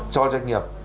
cho doanh nghiệp